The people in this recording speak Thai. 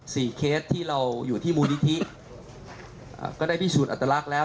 เคสที่เราอยู่ที่มูลนิธิอ่าก็ได้พิสูจนอัตลักษณ์แล้ว